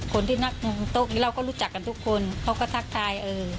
คนที่นักโต๊ะกินเหล้าก็รู้จักกันทุกคนเขาก็ทักทาย